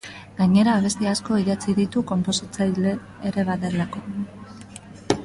Gainera abesti asko idatzi ditu konposatzailea ere badelako.